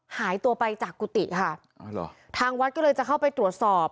หายตัวไปจากกุฏิค่ะอ๋อเหรอทางวัดก็เลยจะเข้าไปตรวจสอบ